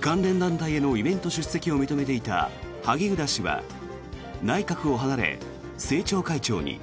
関連団体へのイベント出席を認めていた萩生田氏は内閣を離れ、政調会長に。